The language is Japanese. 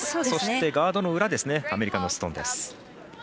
そして、ガードの裏アメリカのストーンです。